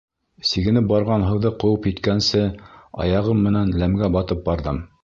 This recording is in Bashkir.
Сигенеп барған һыуҙы ҡыуып еткәнсе, аяғым менән ләмгә батып барҙым.